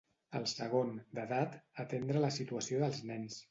El segon, d’edat: atendre la situació dels nens.